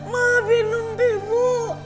maafin umpi bu